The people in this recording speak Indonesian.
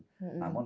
tidak beracun ya